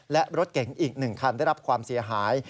และรถเก๋งอีก๑คันได้รับความเสียหาย